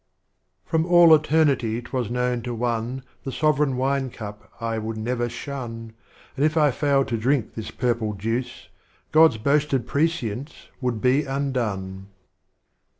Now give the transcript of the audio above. Crom all Eternity 't was known to one The Sovereign Wine Cup I would never shun. And if I faUed to drink this Purple Juice, — God's boasted Prescience would be undone.